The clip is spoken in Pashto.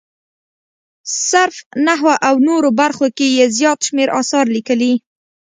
صرف، نحوه او نورو برخو کې یې زیات شمېر اثار لیکلي.